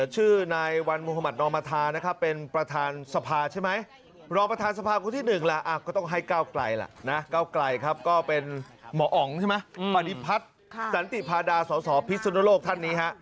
หมออ๋องใช่ไหมปฏิพัฒน์สันติพาดาสสพิสุนโลกท่านนี้